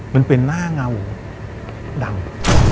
มันเป็นหน้าเงาดำ